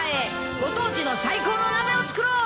ご当地の最高の鍋を作ろう！